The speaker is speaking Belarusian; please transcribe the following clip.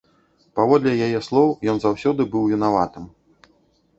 Паводле яе слоў ён заўсёды быў вінаватым.